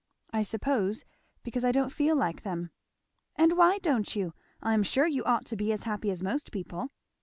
"I suppose, because I don't feel like them." "And why don't you? I am sure you ought to be as happy as most people."